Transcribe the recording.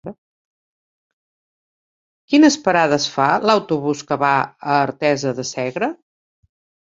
Quines parades fa l'autobús que va a Artesa de Segre?